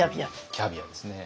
キャビアですね。